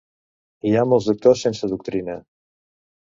Hi ha molts doctors sense doctrina.